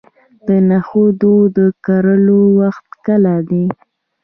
د نخودو د کرلو وخت کله دی؟